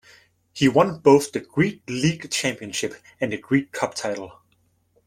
He won both the Greek League championship, and the Greek Cup title.